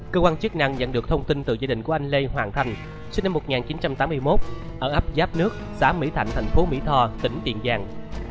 cơ quan chức năng nhận được thông tin từ gia đình của anh lê hoàng thanh sinh năm một nghìn chín trăm tám mươi một ở ấp giáp nước xã mỹ thạnh thành phố mỹ tho tỉnh tiền giang